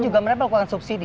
juga mereka melakukan subsidi